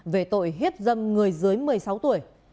về tội hiếp dâm người dưới một mươi sáu tuổi